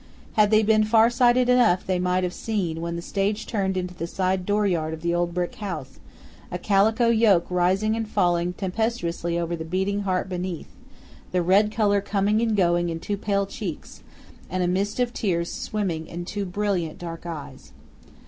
Had they been farsighted enough they might have seen, when the stage turned into the side dooryard of the old brick house, a calico yoke rising and falling tempestuously over the beating heart beneath, the red color coming and going in two pale cheeks, and a mist of tears swimming in two brilliant dark eyes.